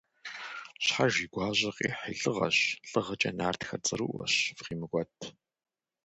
Щхьэж и гуащӀэ къихь и лӀыгъэщ, лӀыгъэкӀэ нартхэр цӀэрыӀуэщ, фыкъимыкӀуэт!